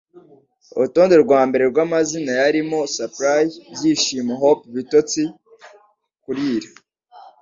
Urutonde rwambere rwamazina yarimo Slappy Byishimo Hoppy Ibitotsi Kurira